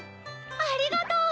ありがとう！